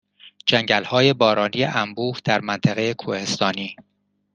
جنگلهای بارانی انبوه در منطقه کوهستانی